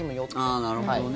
なるほどね。